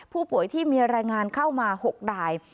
ผู้ป่วยที่มีรายงานเข้ามา๖ราย